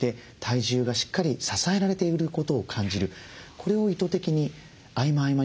これを意図的に合間合間にやっています。